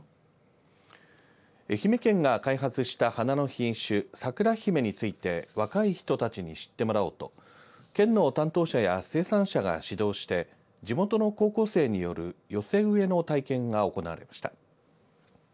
愛媛県が開発した花の品種さくらひめについて若い人たちに知ってもらおうと県の担当者や生産者が指導して地元の高校生による寄せ植えの体験が行われました。